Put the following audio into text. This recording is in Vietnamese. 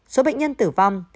số bệnh nhân tử vong